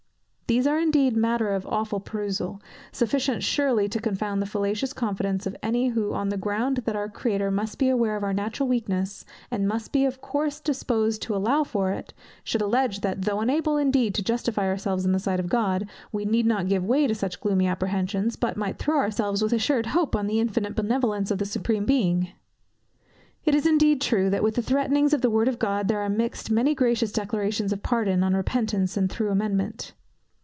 These are indeed matter of awful perusal, sufficient surely to confound the fallacious confidence of any who, on the ground that our Creator must be aware of our natural weakness, and must be of course disposed to allow for it, should alledge that, though unable indeed to justify ourselves in the sight of God, we need not give way to such gloomy apprehensions, but might throw ourselves, with assured hope, on the infinite benevolence of the Supreme Being. It is indeed true, that with the threatenings of the word of God, there are mixed many gracious declarations of pardon, on repentance, and thorough amendment.